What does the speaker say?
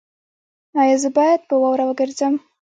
ایا زه باید په واوره وګرځم؟